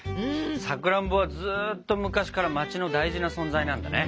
さくらんぼはずっと昔から街の大事な存在なんだね。